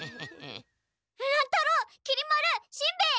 乱太郎きり丸しんべヱ！